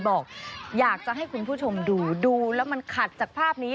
บอกอยากจะให้คุณผู้ชมดูดูแล้วมันขัดจากภาพนี้